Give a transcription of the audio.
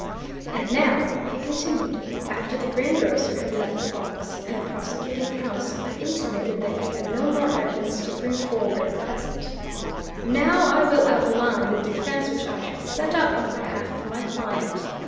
"And now," he continued, after the greengrocer had left the box and the prosecuting counsel had intimated that he had no more evidence to bring forward at present, "now I will outline the defence which I shall set up on behalf of my client.